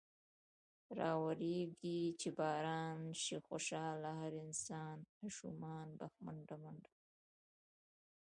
راورېږي چې باران۔ شي خوشحاله هر انسان ـ اشومان په منډه منډه ـ